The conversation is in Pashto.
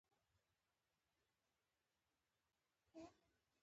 افغانستان د هندوکش لپاره خورا مشهور دی.